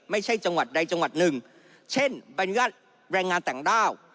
ไม่ใช่จังหวัดใดจังหวัดหนึ่งเช่นบรรยาทแรงงานต่างด้าว